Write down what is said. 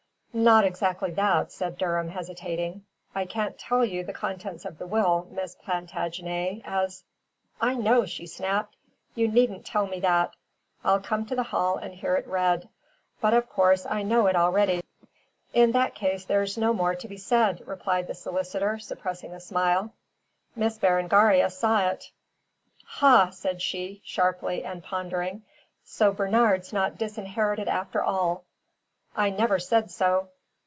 "Not exactly that," said Durham, hesitating. "I can't tell you the contents of the will, Miss Plantagenet, as " "I know," she snapped. "You needn't tell me that. I'll come to the Hall and hear it read. But, of course, I know it already." "In that case there's no more to be said," replied the solicitor, suppressing a smile. Miss Berengaria saw it. "Ha!" said she, sharply and pondering. "So Bernard's not disinherited after all." "I never said so."